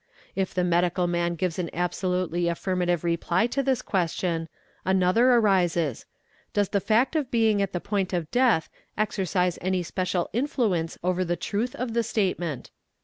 If the medical man gives an absolutely affirmativ reply to this question, another arises,—does the fact of being at thi THE LYING WITNESS 107 point of death exercise any special influence over the truth of the statement